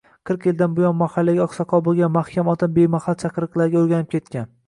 Qirq yildan buyon mahallaga oqsoqol bo`lgan Mahkam ota bemahal chaqiriqlarga o`rganib ketgan